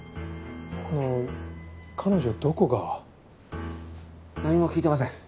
あの彼女どこが？何も聞いてません？